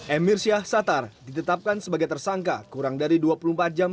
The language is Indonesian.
emir syah satar ditetapkan sebagai tersangka kurang dari dua puluh empat jam